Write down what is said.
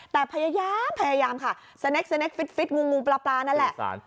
แต่พยายามพยายามค่ะสเนคสเนคฟิตงูปลานั่นแหละ